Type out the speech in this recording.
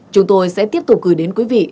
chúng tôi sẽ tiếp tục gửi đến quý vị